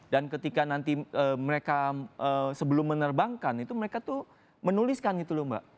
dan ketika nanti mereka sebelum menerbangkan itu mereka tuh menuliskan gitu loh mbak